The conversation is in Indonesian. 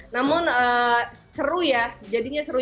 namun seru ya jadinya seru